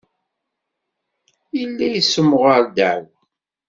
Yella yessemɣar ddeɛwa.